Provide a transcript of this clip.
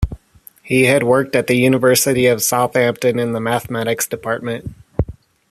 He had worked at the University of Southampton in the Mathematics Department.